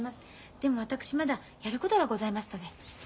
でも私まだやることがございますので。